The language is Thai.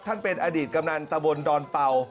เป็นอดีตกำนันตะบนดอนเป่า